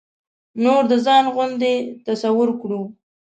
نور د ځان غوندې تصور کړو.